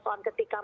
sekarang kita mulai